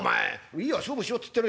いいや勝負しろって言ってるよ。